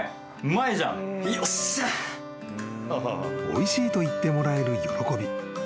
［おいしいと言ってもらえる喜び］